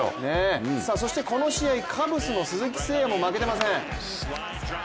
そしてこの試合、カブスの鈴木誠也も負けてません。